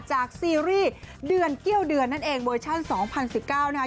ซีรีส์เดือนเกี้ยวเดือนนั่นเองเวอร์ชั่น๒๐๑๙นะคะ